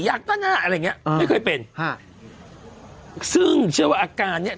อยากตั้งหน้าอะไรอย่างเงี้ยอืมไม่เคยเป็นครับซึ่งเชื่อว่าอาการเนี้ย